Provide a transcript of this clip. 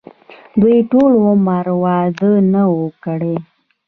دوي ټول عمر وادۀ نۀ وو کړے